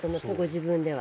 自分では。